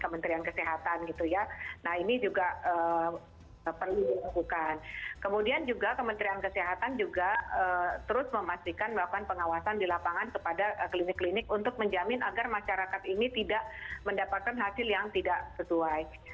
masyarakat ini tidak mendapatkan hasil yang tidak sesuai